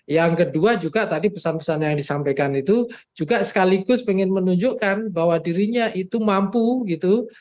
yang kedua juga tadi pesan pesan yang disampaikan itu juga sekaligus ingin menunjukkan bahwa dirinya itu mampu gitu